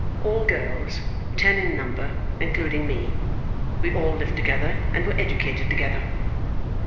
All girls; ten in number, including me. We all lived together and were educated together.